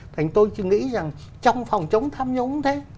thành tôi chỉ nghĩ rằng trong phòng chống tham nhũng thế